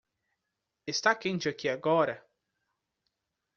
Está quente aqui agora?